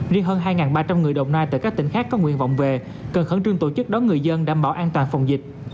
riêng hơn hai ba trăm linh người đồng nai tại các tỉnh khác có nguyện vọng về cần khẩn trương tổ chức đón người dân đảm bảo an toàn phòng dịch